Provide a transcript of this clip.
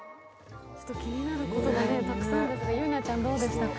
気になることがたくさんでしたけど、ゆいなちゃんどうでしたか？